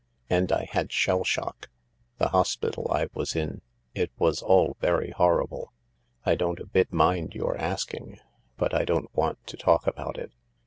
And I had shell shock. The hospital I was in — it was all very horrible. I don't a bit mind your asking, but I don't want to talk about it."